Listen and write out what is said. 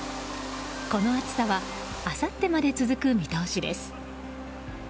この暑さはあさってまで続く見通しです。